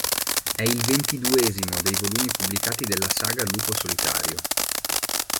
È il ventiduesimo dei volumi pubblicati della saga Lupo Solitario.